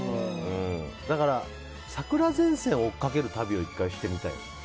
だから桜前線を追いかける旅を１回してみたい。